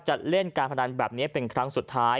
จะเล่นการพนันแบบนี้เป็นครั้งสุดท้าย